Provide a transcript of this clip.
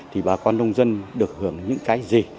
thì bà con nông dân được hưởng những cái gì